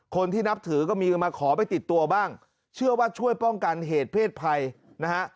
คนที่นับถือก็มีมาขอไปติดตัวบ้างเชื่อว่าช่วยป้องกันเหตุเพศภัยนะฮะ